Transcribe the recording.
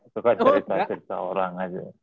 suka cerita cerita orang aja